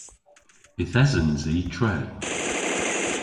Yth esens i tre.